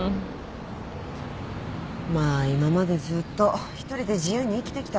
まあ今までずっと１人で自由に生きてきたわけだしね。